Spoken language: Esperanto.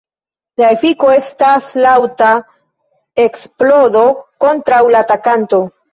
La efiko estas laŭta eksplodo kontraŭ la atakanto.